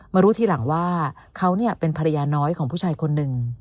รู้ทีหลังว่าเขาเป็นภรรยาน้อยของผู้ชายคนหนึ่ง